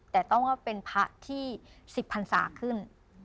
แต่ต้องเป็นผักที่สิบพันศาขึ้น